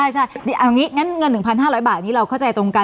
ใช่งั้นเงิน๑๕๐๐บาทนี้เราเข้าใจตรงกัน